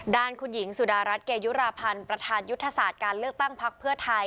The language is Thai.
ด้านคุณหญิงสุดารัฐเกยุราพันธ์ประธานยุทธศาสตร์การเลือกตั้งพักเพื่อไทย